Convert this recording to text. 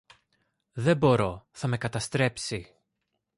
Δεν μπορώ, θα με καταστρέψει